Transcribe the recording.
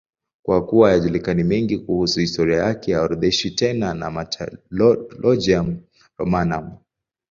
Kwa kuwa hayajulikani mengine kuhusu historia yake, haorodheshwi tena na Martyrologium Romanum.